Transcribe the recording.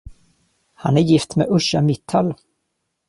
Han är gift med Usha Mittal.